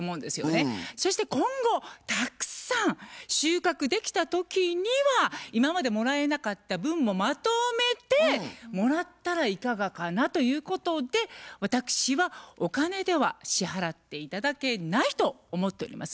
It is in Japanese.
そして今後たくさん収穫できた時には今までもらえなかった分もまとめてもらったらいかがかなということで私はお金では支払って頂けないと思っております。